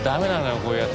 こういうやつ。